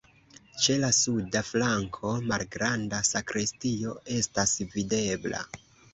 Ĉe la suda flanko malgranda sakristio estas videbla.